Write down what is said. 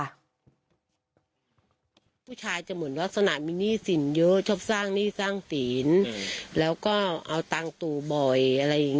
ผู้ชายจะเหมือนลักษณะมีหนี้สินเยอะชอบสร้างหนี้สร้างศีลแล้วก็เอาตังค์ตู่บ่อยอะไรอย่างนี้